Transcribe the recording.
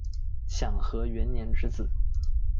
享和元年之子。